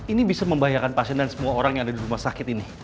ini bisa membahayakan pasien dan semua orang yang ada di rumah sakit ini